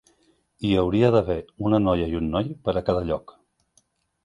Hi hauria d'haver una noia i un noi per a cada lloc.